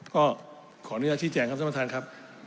ก็ขออนุญาตที่แจ่งครับท่านท่านครับ